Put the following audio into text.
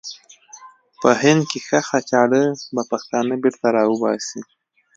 په هند کې ښخه چاړه به پښتانه بېرته را وباسي.